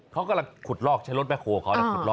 เขากำลังขุดลอกชะลดแป๊กโฮนเขา